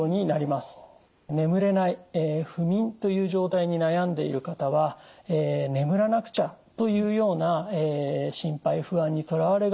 眠れない不眠という状態に悩んでいる方は眠らなくちゃというような心配不安にとらわれがちです。